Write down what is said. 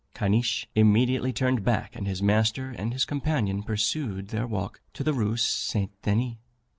Caniche immediately turned back, and his master and his companion pursued their walk to the Rue St. Denis.